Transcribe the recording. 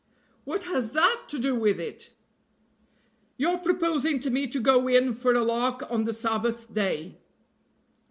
"What has that to do with it?" "Your proposing to me to go in for a lark on the Sabbath day.